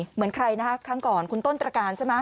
เหมือนใครนะคะครั้งก่อนคุณต้นตรการใช่ไหม